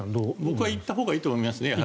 僕は行ったほうがいいと思います。